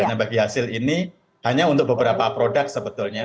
karena bagi hasil ini hanya untuk beberapa produk sebetulnya